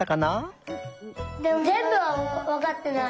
ぜんぶはわかってない。